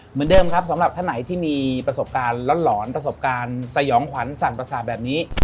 เหมือนเดิมครับสำหรับท่านไหนที่มีประสบการณ์หลอนประสบการณ์สยองขวัญสั่นประสาทแบบนี้